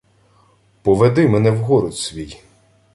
— Поведи мене в город свій.